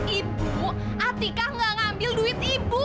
ibu atika gak ngambil duit ibu